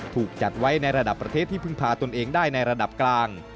ถูกจัดไว้ในระดับประเทศที่พึ่งพาตนเองได้ในระดับกลาง